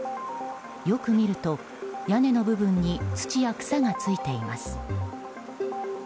よく見ると屋根の部分に土や草が付いています。